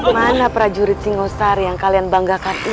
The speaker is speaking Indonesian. mana prajurit singosar yang kalian banggakan itu